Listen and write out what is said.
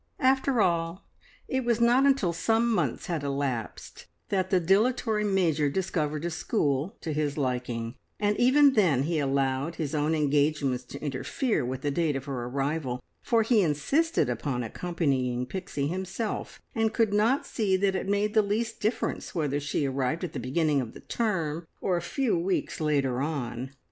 After all it was not until some months had elapsed that the dilatory Major discovered a school to his liking, and even then he allowed his own engagements to interfere with the date of her arrival, for he insisted upon accompanying Pixie himself, and could not see that it made the least difference whether she arrived at the beginning of the term or a few weeks later on.